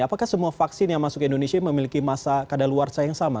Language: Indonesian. apakah semua vaksin yang masuk ke indonesia memiliki masa kadar luar saya yang sama